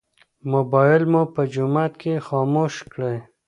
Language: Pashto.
موبایل مو په جومات کې خاموش کړئ.